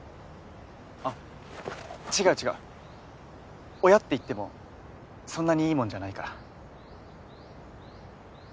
あ違う違う親っていってもそんなにいいもんじゃないから。